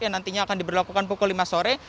yang nantinya akan diberlakukan pukul lima sore